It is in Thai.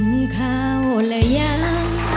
กินข้าวและยาว